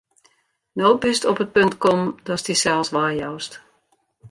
No bist op it punt kommen, datst dysels weijoust.